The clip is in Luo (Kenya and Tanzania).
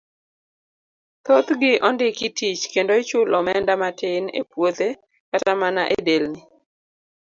Thoth gi ondiki tich kendo ichulo omenda matin e puothe kata mana e delni.